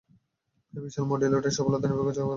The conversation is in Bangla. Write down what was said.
এই বিশাল মডিউলটার সফলতা নির্ভর করছে কোরের ঘনত্বের উপর।